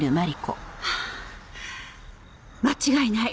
間違いない。